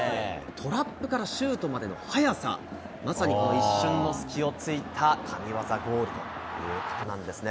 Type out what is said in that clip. トラップからシュートまでの速さ、まさにこの一瞬の隙をついた神技ゴールということなんですね。